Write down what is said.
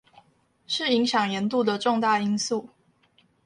是影響鹽度的重大因素